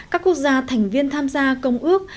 các quốc gia thành viên tham gia công ước